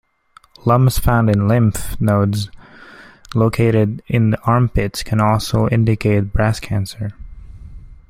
Lumps found in lymph nodes located in the armpits can also indicate breast cancer.